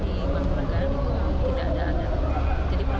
tapi kalau yang jelas di pura mangkunegaran itu tidak ada adat